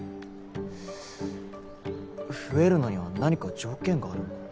増えるのには何か条件があるのかな？